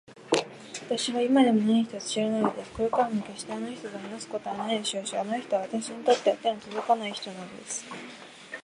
わたしは今でも何一つ知らないのです。これからもけっしてあの人と話すことはないでしょうし、あの人はわたしにとっては手のとどかない人なんです。